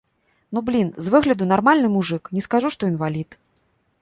Ну, блін, з выгляду нармальны мужык, не скажу, што інвалід.